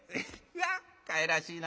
わっかわいらしいな。